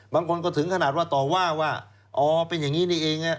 บางคนก็ถึงขนาดว่าต่อว่าว่าอ๋อเป็นอย่างนี้นี่เอง